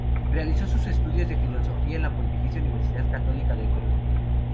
Realizó sus estudios de filosofía en la Pontificia Universidad Católica del Perú.